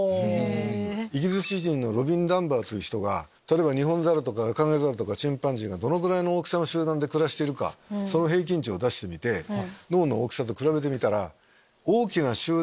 イギリス人のロビン・ダンバーという人がニホンザルとかアカゲザルとかチンパンジーがどのぐらいの大きさの集団で暮らしているか平均値を出して脳の大きさと比べてみたら。